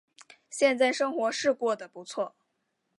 现在生活是过得不错